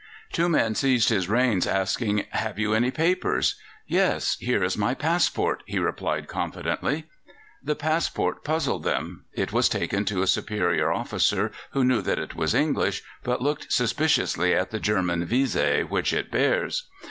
Two men seized his reins, asking, "Have you any papers?" "Yes; here is my passport," he replied confidently. The passport puzzled them; it was taken to a superior officer, who knew that it was English, but looked suspiciously at the German visé which it bears.